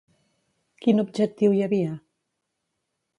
Quin objectiu hi havia?